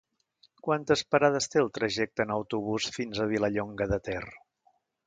Quantes parades té el trajecte en autobús fins a Vilallonga de Ter?